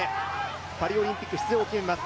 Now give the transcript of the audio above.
パリオリンピック出場を決めます。